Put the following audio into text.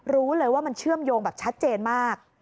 รู้เลยว่ามันเชื่อมโยงแบบชัดเจนมาก